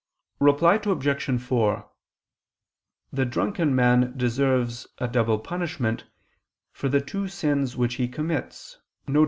Reply Obj. 4: The drunken man deserves a "double punishment" for the two sins which he commits, viz.